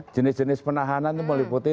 jenis jenis penahanan itu meliputi